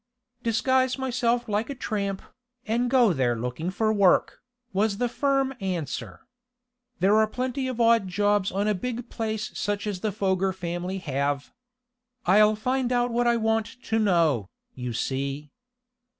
"Disguise myself like a tramp, and go there looking for work," was the firm answer. "There are plenty of odd jobs on a big place such as the Foger family have. I'll find out what I want to know, you see."